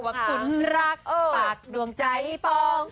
ขุนรักปากดวงใจปอง